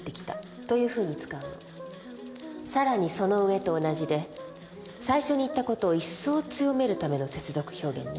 「更にその上」と同じで最初に言った事を一層強めるための接続表現ね。